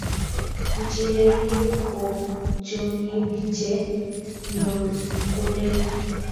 nchirenik ko chong'ik che nyolkulen